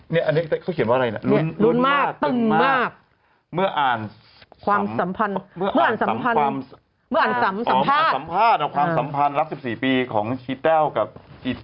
อันนี้เขาเขียนว่าอะไรนะลุ้นมากตึงมากเมื่ออ่านความสัมพันธ์รับ๑๔ปีของชีแต้วกับ